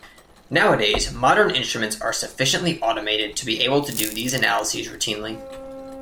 Nowadays, modern instruments are sufficiently automated to be able to do these analyses routinely.